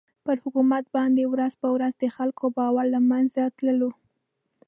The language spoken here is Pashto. پر حکومت باندې ورځ په ورځ د خلکو باور له مېنځه تللو.